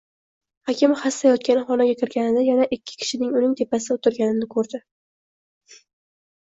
Hakim xasta yotgan xonaga kirganida, yana ikki kishining uning tepasida o`tirganini ko`rdi